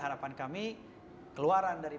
harapan kami keluaran dari